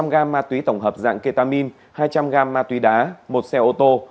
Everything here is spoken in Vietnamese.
hai trăm linh gram ma túy tổng hợp dạng ketamine hai trăm linh gram ma túy đá một xe ô tô